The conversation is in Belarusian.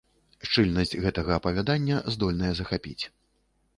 Шчыльнасць гэтага апавядання здольная захапіць.